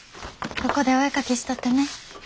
ここでお絵描きしとってね。